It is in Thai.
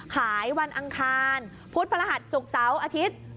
ขายวันอังคารพุธพระหัสสุขเสาอาทิตย์